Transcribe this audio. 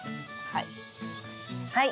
はい。